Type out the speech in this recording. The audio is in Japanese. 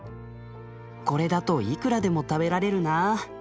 『これだといくらでも食べられるな』